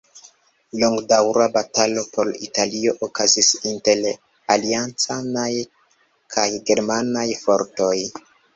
Longdaŭra batalo por Italio okazis inter Aliancanaj kaj Germanaj fortoj.